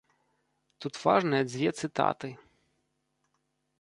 Тут важныя дзве цытаты.